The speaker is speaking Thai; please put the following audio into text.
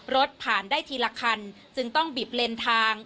รถผ่านได้ทีละคันจึงต้องบิบเลนทาง